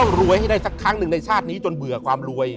รวยให้ได้สักครั้งหนึ่งในชาตินี้จนเบื่อความรวย